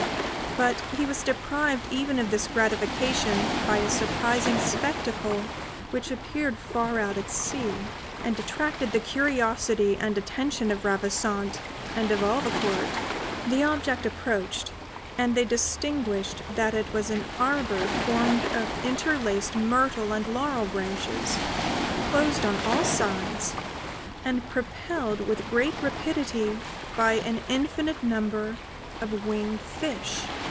But he was deprived even of this gratification by a surprising spectacle which appeared far out at sea, and attracted the curiosity and attention of Ravissante and of all the court. The object approached, and they distinguished that it was an arbour formed of interlaced myrtle and laurel branches, closed on all sides, and propelled with great rapidity by an infinite number of winged fish.